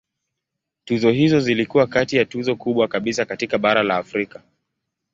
Tuzo hizo zilikuwa kati ya tuzo kubwa kabisa katika bara la Afrika.